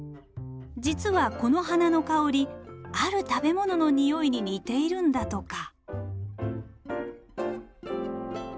実はこの花の香りある食べ物の匂いに似ているんだとか。